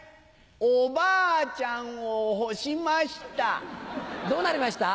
おばあちゃんを干しました。